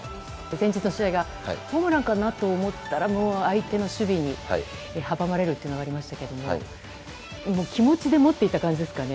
前日の試合がホームランかなと思ったら相手の守備に阻まれるというのがありましたけど気持ちで持っていった感じですかね